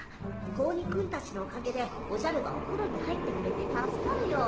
子鬼くんたちのおかげでおじゃるがおふろに入ってくれて助かるよ。